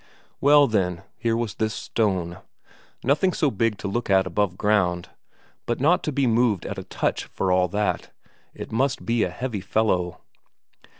Well, then, here was this stone. Nothing so big to look at above ground, but not to be moved at a touch for all that; it must be a heavy fellow.